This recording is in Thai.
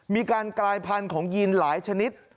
มีการกลายพันธุ์ของยีนหลายชนิด